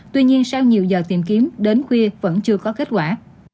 tuy nhiên sau nhiều giờ tìm kiếm đến khuya vẫn chưa có kết quả